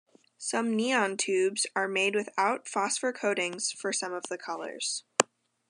Some "neon" tubes are made without phosphor coatings for some of the colors.